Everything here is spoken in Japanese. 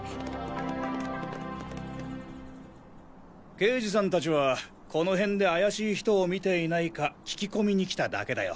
刑事さんたちはこの辺で怪しい人を見ていないか聞き込みに来ただけだよ。